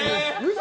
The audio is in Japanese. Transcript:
嘘？